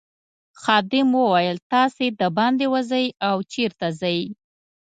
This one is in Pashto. خادم وویل تاسي دباندې وزئ او چیرته ځئ.